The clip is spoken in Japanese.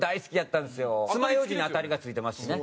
つまようじに当たりが付いてますしね。